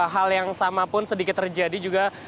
hal yang sama pun sedikit terjadi juga